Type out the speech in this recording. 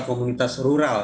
atau komunitas rural